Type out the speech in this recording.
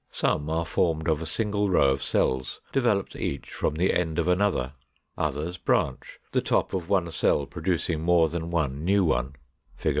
Some are formed of a single row of cells, developed each from the end of another. Others branch, the top of one cell producing more than one new one (Fig.